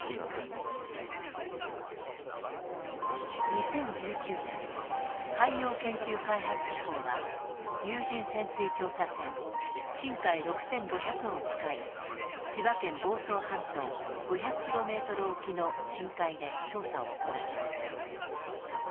２０１９年海洋研究開発機構は有人潜水調査船しんかい６５００を使い千葉県房総半島５００キロメートル沖の深海で調査を行いました。